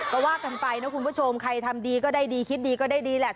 ก็ว่ากันไปนะคุณผู้ชมใครทำดีก็ได้ดีคิดดีก็ได้ดีแหละ